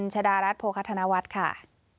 ชดารัฐโภคธนวัฒน์ค่ะ